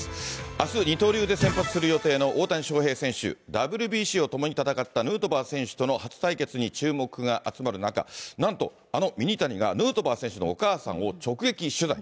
あす、二刀流で先発する予定の大谷翔平選手、ＷＢＣを共に戦ったヌートバー選手との初対決に注目が集まる中、なんとあのミニタニが、ヌートバー選手のお母さんを直撃取材。